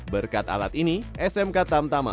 berkat alat ini smk tamtama